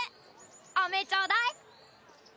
あめちょうだい。